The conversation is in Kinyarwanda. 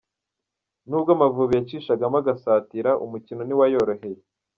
N’ubwo Amavubi yacishagamo agasatira, umukino ntiwayoroheye.